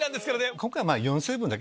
今回。